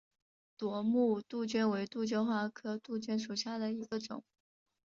夺目杜鹃为杜鹃花科杜鹃属下的一个种。